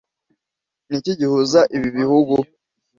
Ni iki gihuza ibi bihugu